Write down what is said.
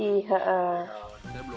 iya jual lagi